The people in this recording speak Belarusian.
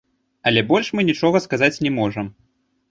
Але больш мы нічога сказаць не можам.